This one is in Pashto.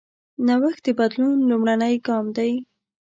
نوښت د بدلون لومړنی ګام دی.